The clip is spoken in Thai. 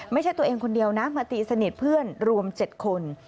ไม่ใช่ตัวเองคนเดียวนะมาตีสนิทเพื่อนรวม๗คน